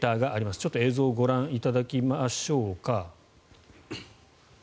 ちょっと映像をご覧いただきましょうか。